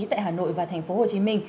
tại hà nội và tp hcm